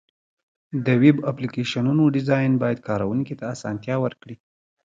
د ویب اپلیکیشنونو ډیزاین باید کارونکي ته اسانتیا ورکړي.